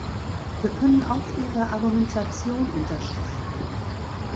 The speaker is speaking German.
Wir können auch ihre Argumentation unterschreiben.